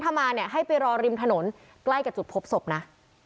ถ้ามาเนี่ยให้ไปรอริมถนนใกล้กับจุดพบศพนะ